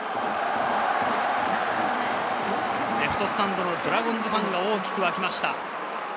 レフトスタンドのドラゴンズファンが大きく沸きました。